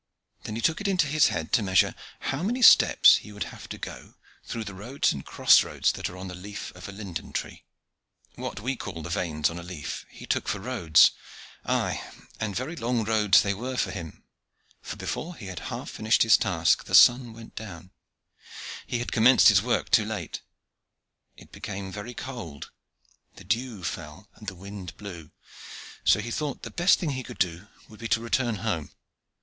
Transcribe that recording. Then he took it into his head to measure how many steps he would have to go through the roads and cross roads that are on the leaf of a linden tree. What we call the veins on a leaf, he took for roads; ay, and very long roads they were for him; for before he had half finished his task, the sun went down: he had commenced his work too late. It became very cold, the dew fell, and the wind blew; so he thought the best thing he could do would be to return home.